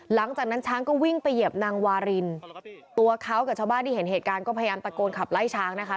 หลังจากนั้นช้างก็วิ่งไปเหยียบนางวารินตัวเขากับชาวบ้านที่เห็นเหตุการณ์ก็พยายามตะโกนขับไล่ช้างนะคะ